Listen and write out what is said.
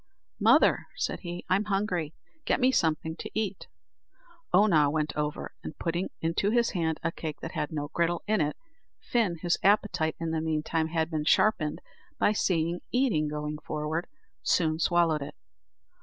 "Mother," said he, "I'm hungry get me something to eat." Oonagh went over, and putting into his hand a cake that had no griddle in it, Fin, whose appetite in the meantime had been sharpened by seeing eating going forward, soon swallowed it.